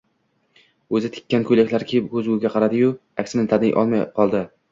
O`zi tikkan ko`ylakni kiyib, ko`zguga qaradi-yu, aksini taniy olmay qoldi